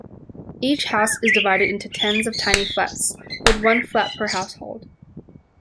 Each house is divided into tens of tiny flats, with one flat per household.